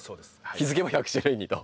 気付けば１００種類にと。